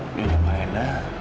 ini udah baik baik